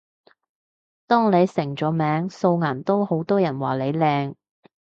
當你成咗名，素顏都好多人話你靚